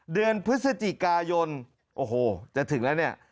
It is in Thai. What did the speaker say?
เดือนพฤศจิกายนโอ้โหจะถึงแล้วเนี่ย